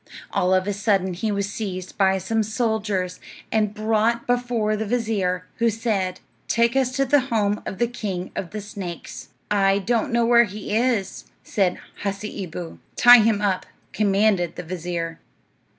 All of a sudden he was seized by some soldiers, and brought before the vizir, who said, "Take us to the home of the king of the snakes." "I don't know where it is," said Hasseeboo. "Tie him up," commanded the vizir.